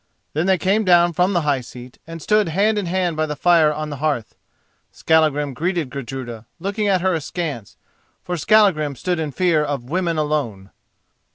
Then they came down from the high seat, and stood hand in hand by the fire on the hearth. Skallagrim greeted Gudruda, looking at her askance, for Skallagrim stood in fear of women alone.